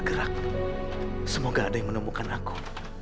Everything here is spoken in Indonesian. tidak ada yang menemukan aku